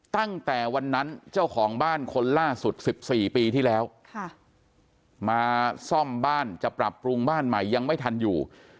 ตั้งแต่วันนั้นเจ้าของบ้านคนล่าสุด๑๔ปีที่แล้วมาซ่อมบ้านจะปรับปรุงบ้านใหม่ยังไม่ทันอยู่